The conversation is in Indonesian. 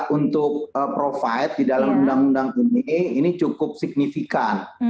saya rasa apa yang kami coba untuk provide di dalam undang undang ini ini cukup signifikan